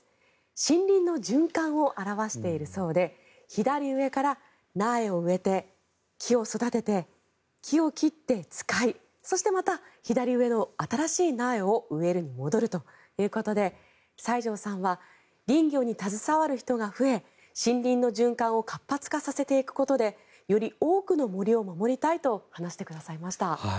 森林の循環を表しているそうで左上から苗を植えて、木を育てて木を切って使いそしてまた左上の新しい苗を植えるに戻るということで西條さんは林業に携わる人が増え森林の循環を活発化させていくことでより多くの森を守りたいと話してくださいました。